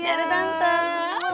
ya ada tante